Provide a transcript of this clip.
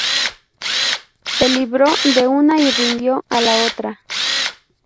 Se libró de una y rindió a la otra.